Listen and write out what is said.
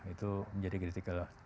itu menjadi kritikal